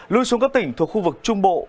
lưu xuống các tỉnh thuộc khu vực trung bộ